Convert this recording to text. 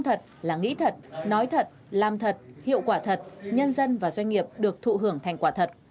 thật là nghĩ thật nói thật làm thật hiệu quả thật nhân dân và doanh nghiệp được thụ hưởng thành quả thật